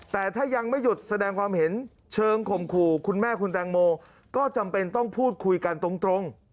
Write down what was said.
แต่ถ้ายังไม่หยุดแสดงความเห็นเชิงข่มขู่คุณแม่คุณแตงโมก็จำเป็นต้องพูดคุยกันตรง